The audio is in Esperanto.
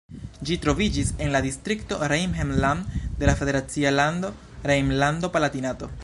Ĝi troviĝis en la distrikto Rhein-Lahn de la federacia lando Rejnlando-Palatinato.